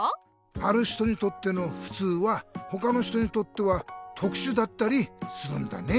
ある人にとっての「ふつう」はほかの人にとっては「とくしゅ」だったりするんだね。